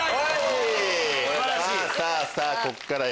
さぁさぁこっからよ。